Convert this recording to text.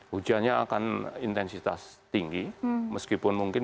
hujannya akan intensitas tinggi meskipun mungkin